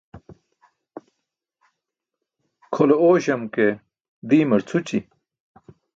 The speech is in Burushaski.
khole oośam ke diimar cʰući.